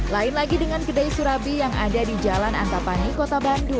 lain lagi dengan kedai surabi yang ada di jalan antapani kota bandung